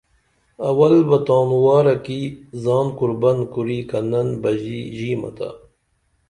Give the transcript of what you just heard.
اول بہ تانُوارہ کی زان قربن کُری کنن بژِی ژیمہ تا